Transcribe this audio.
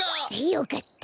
よかった。